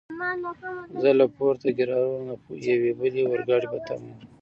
زه له پورتوګرارو نه د یوې بلې اورګاډي په تمه ووم.